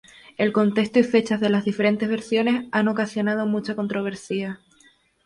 El contexto y fechas de las diferentes versiones han ocasionado mucha controversia.